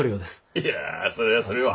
いやそれはそれは。